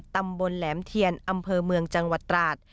ตำบลแหลมเทียนอำเภอเมืองจังหวัดตราด